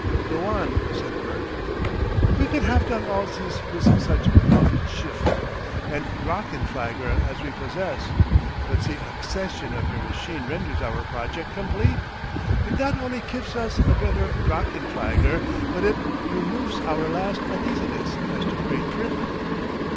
"Go on!" said Bert. "We could haf done all zis wiz such Luftschiffe and Drachenflieger as we possess, but ze accession of your machine renders our project complete. It not only gifs us a better Drachenflieger, but it remofes our last uneasiness as to Great Pritain.